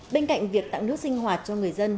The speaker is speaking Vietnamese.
bên cạnh việc tặng nước sinh hoạt cho người dân